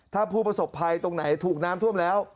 ถ้าผู้ประสบภัยตรงไหนถูกน้ำท่วมแล้ว